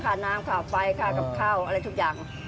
ค่าน้ำค่าไฟค่ากับข้าวอะไรทุกอย่าง